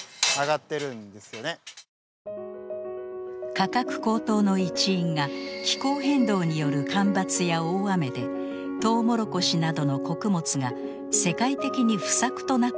価格高騰の一因が気候変動による干ばつや大雨でトウモロコシなどの穀物が世界的に不作となっていることです。